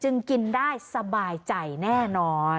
กินได้สบายใจแน่นอน